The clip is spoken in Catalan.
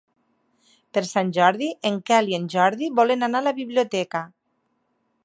Per Sant Jordi en Quel i en Jordi volen anar a la biblioteca.